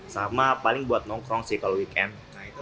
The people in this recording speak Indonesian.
sama paling buat nongkrong sih kalau weekend